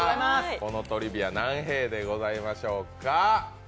このトリビア、何へぇでございましょうか？